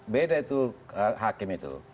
beda itu hakim itu